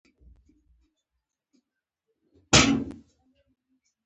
زه له موبایل نه انځورونه اخلم.